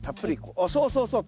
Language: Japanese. あっそうそうそう。